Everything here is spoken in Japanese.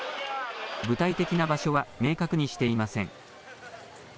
具体的な場所は明確にしていません。